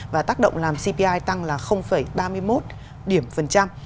và tác động làm cpi tăng là ba mươi một điểm phần trăm